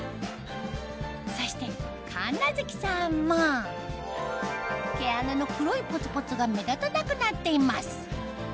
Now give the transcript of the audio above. そして神無月さんも毛穴の黒いポツポツが目立たなくなっています